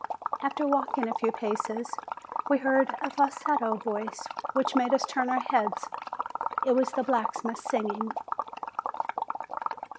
After walking a few paces, we heard a falsetto voice which made us turn our heads. It was the black smith singing.